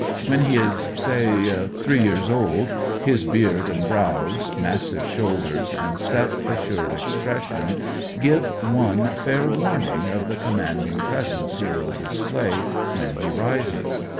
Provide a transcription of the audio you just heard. When he is, say, three years old, his beard and brows, massive shoulders, and set, assured expression give one fair warning of the commanding presence he will display when he rises.